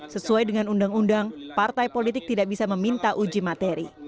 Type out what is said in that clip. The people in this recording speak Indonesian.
sesuai dengan undang undang partai politik tidak bisa meminta uji materi